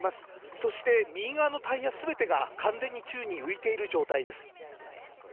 そして右側のタイヤ全てが完全に宙に浮いている状態です。